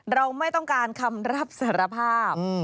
เราไม่ต้องการคำรับสารภาพ